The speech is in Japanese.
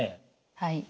はい。